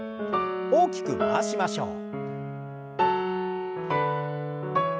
大きく回しましょう。